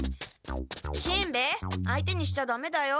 しんべヱ相手にしちゃダメだよ。